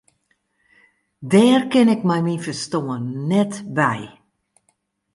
Dêr kin ik mei myn ferstân net by.